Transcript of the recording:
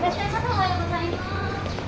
おはようございます。